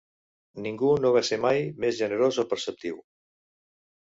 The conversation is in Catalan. Ningú no va ser mai més generós o perceptiu.